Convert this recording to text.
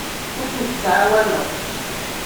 Ur tent-ttɛawaneɣ.